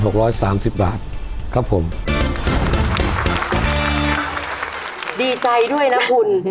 ดีใจด้วยนะคุณ